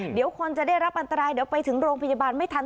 เดี๋ยวคนจะได้รับอันตรายเดี๋ยวไปถึงโรงพยาบาลไม่ทัน